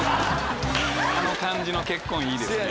あの感じの結婚いいですね。